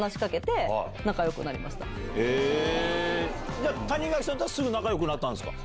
じゃあ谷垣さんとはすぐ仲良くなったんですか？